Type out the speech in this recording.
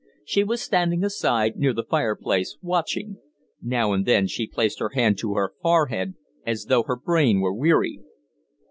She was standing aside, near the fireplace, watching. Now and then she placed her hand to her forehead, as though her brain were weary."